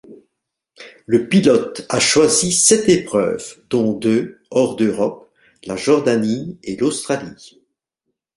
Le pilote a choisi sept épreuves, dont deux hors d'Europe, la Jordanie et l'Australie.